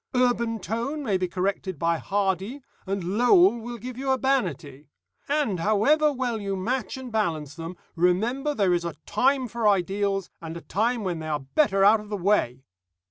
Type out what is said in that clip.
Urban tone may be corrected by Hardy, and Lowell will give you urbanity. And, however well you match and balance them, remember there is a time for ideals, and a time when they are better out of the way.